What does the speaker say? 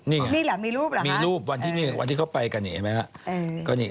นี่ละมีรูปที่นี่วันที่เขาไปกันเห็นไหมละ